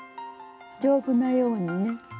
丈夫なようにね。